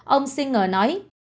ông singer nói